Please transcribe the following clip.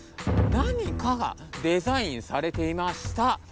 何かがデザインされていました。